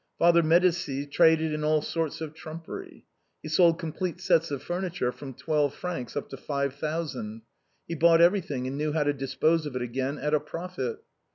Father Medicis traded in all sorts of trumpery. He sold complete sets of furniture from twelve francs up to five thousand; he bought every thing, and knew how to dispose of it again, at a profit.